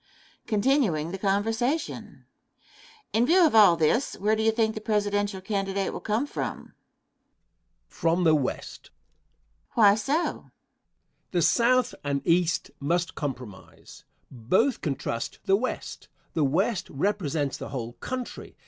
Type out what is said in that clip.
Continuing the conversation, ] Question. In view of all this, where do you think the presidential candidate will come from? Answer. From the West. Question. Why so? Answer. The South and East must compromise. Both can trust the West. The West represents the whole country.